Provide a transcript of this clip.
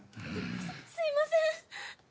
すいません！